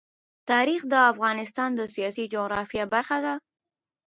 تاریخ د افغانستان د سیاسي جغرافیه برخه ده.